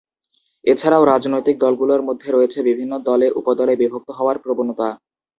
এছাড়াও রাজনৈতিক দলগুলোর মধ্যে রয়েছে বিভিন্ন দলে-উপদলে বিভক্ত হওয়ার প্রবণতা।